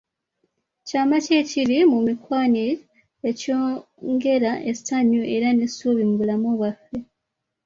Kyama ki ekiri mu mikwano ekyongera essanyu era n’essuubi mu bulamu bwaffe ?